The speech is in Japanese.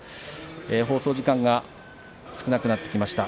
放送時間が少なくなってきました。